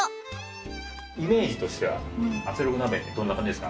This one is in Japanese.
イメージとしては圧力鍋ってどんな感じですか？